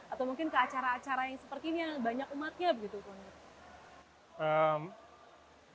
atau mungkin ke acara acara yang sepertinya banyak umatnya begitu pokoknya